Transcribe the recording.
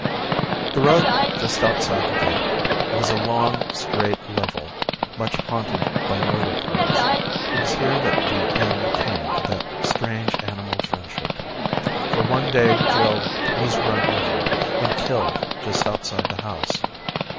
The road just outside the gate was a long straight level, much haunted by motor cars. It was here that the end came to that strange animal friendship, for one day Jill was run over and killed just outside the house.